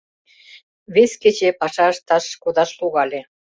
Вес кече паша ышташ кодаш логале.